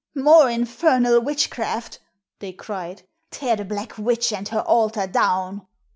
"More infernal witchcraft!" they cried. "Tear the black witch and her altar down!"